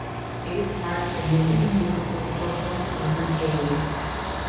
It is part of the multimunicipal Stockholm urban area.